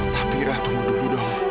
tapi ira tunggu dulu dong